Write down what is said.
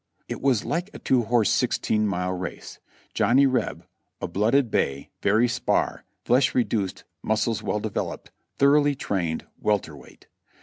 It was like a two horse sixteen mile race; Johnny Reb, a blooded bay, very spare; flesh reduced, muscles well developed; thoroughly trained, welter weight.